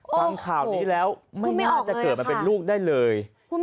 ฟังข่าวนี้แล้วไม่น่าจะเกิดมาเป็นลูกได้เลย